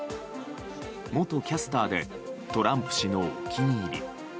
元キャスターでトランプ氏のお気に入り。